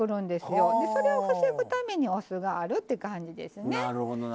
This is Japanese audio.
それを防ぐためにお酢があるって感じですね。